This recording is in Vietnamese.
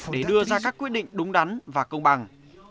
để đưa ra các quyết định đúng đắn và công bằng